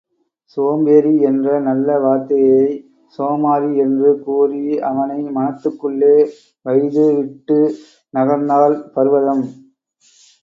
சோம்பேறி என்ற நல்ல வார்த்தையை சோமாறி என்று கூறி அவனை மனத்துக்குள்ளே வைது விட்டுப் நகர்ந்தாள் பர்வதம்.